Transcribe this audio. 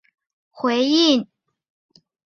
应报正义着重对恶行的适当回应。